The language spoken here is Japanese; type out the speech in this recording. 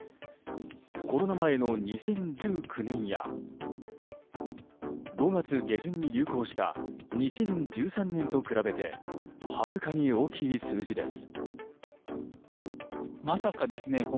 コロナ前の２０１９年や５月下旬に流行した２０１３年と比べてはるかに大きい数字です。